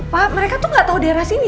pak mereka tuh gak tau daerah sini